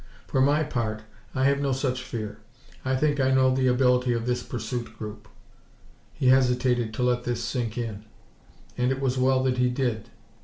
For my part, I have no such fear. I think I know the ability of this pursuit group." He hesitated, to let this sink in. And it was well that he did.